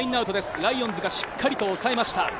ライオンズがしっかりと抑えました。